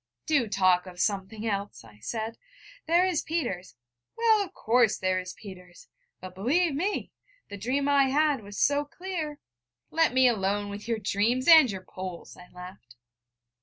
'Do talk of something else!' I said. 'There is Peters....' 'Well, of course, there is Peters. But believe me, the dream I had was so clear ' 'Let me alone with your dreams, and your Poles!' I laughed.